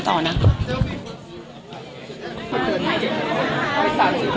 ขอบคุณครับ